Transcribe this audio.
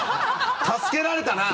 助けられたな！